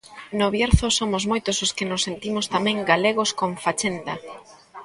No Bierzo somos moitos os que nos sentimos tamén galegos con fachenda.